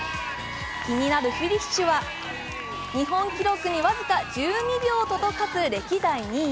気になるフィニッシュは日本記録に僅か１２秒届かず歴代２位。